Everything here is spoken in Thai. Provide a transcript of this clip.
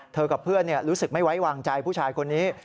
กับเพื่อนรู้สึกไม่ไว้วางใจผู้ชายคนนี้